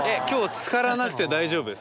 つからなくて大丈夫です。